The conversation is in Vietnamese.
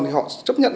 thì họ chấp nhận